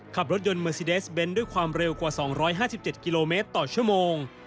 ขับรถยนต์เมอร์ซีเดสเบนท์ด้วยความเร็วกว่า๒๕๗กิโลเมตรต่อชั่วโมง